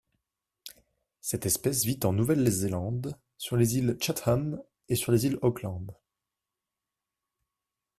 Cette espèce vit en Nouvelle-Zélande, sur les îles Chatham et sur les îles Auckland.